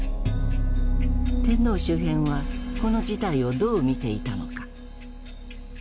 天皇周辺はこの事態をどう見ていたのか。